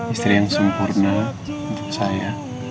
istri yang sempurna untuk saya